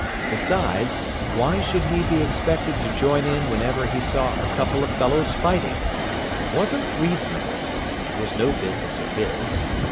Besides, why should he be expected to join in whenever he saw a couple of fellows fighting? It wasn't reasonable. It was no business of his.